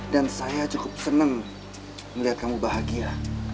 dan saya cukup seneng melihat kamu bahagia